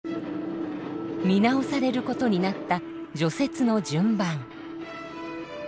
見直されることになった除雪の順番。